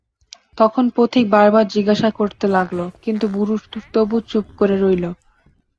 তখন পথিক বার বার জিজ্ঞাসা করতে লাগল, কিন্তু বুড়ো তবু চুপ করে রইল।